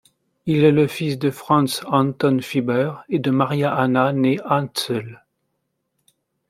Il est le fils de Franz Anton Fieber et de Maria Anna née Hantsehl.